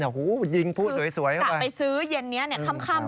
กลับไปซื้อเย็นเนี้ยค่ำ